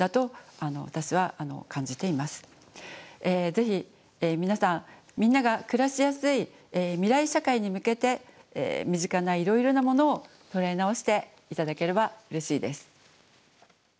ぜひ皆さんみんなが暮らしやすい未来社会に向けて身近ないろいろなものを捉え直して頂ければうれしいです。